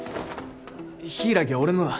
柊は俺のだ。